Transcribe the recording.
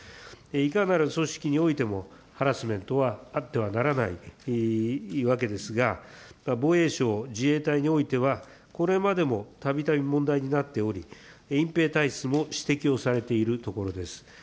いかなる組織においても、ハラスメントはあってはならないわけですが、防衛省・自衛隊においては、これまでもたびたび問題になっており、隠蔽体質も指摘をされているところです。